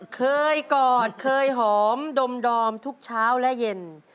กอดเคยหอมดมทุกเช้าและเย็น